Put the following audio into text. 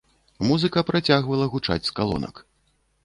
Музыка працягвала гучаць з калонак.